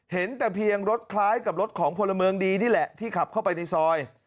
เห็นแต่เพียงรถคล้ายกับรถของพลเมืองดีนี่แหละที่ขับเข้าไปในซอย